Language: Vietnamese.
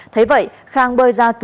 thế vậy khang bơi ra cứu